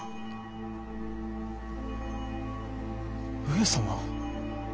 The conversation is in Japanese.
上様！